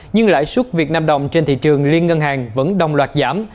nhưng lãi suất việt nam đồng trên thị trường liên ngân hàng vẫn đồng loạt giảm